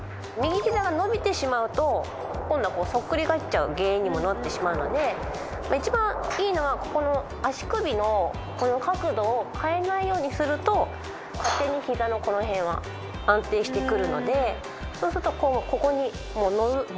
右膝が伸びてしまうと今度は返っちゃう原因にもなってしまうのでいちばんいいのはここの足首の角度を変えないようにすると勝手に膝のこのへんは安定してくるのでそうするとここに乗る。